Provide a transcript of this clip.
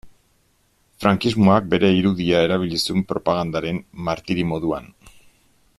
Frankismoak bere irudia erabili zuen propagandaren martiri moduan.